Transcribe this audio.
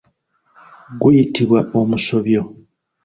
Guyutibwa omusobyo.